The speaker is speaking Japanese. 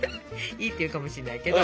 いいって言うかもしんないけど。